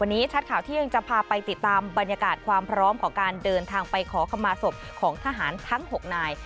วันนี้ชัดข่าวเที่ยงจะพาไปติดตามบรรยากาศความพร้อมของการเดินทางไปขอคำมาศพของทหารทั้ง๖นาย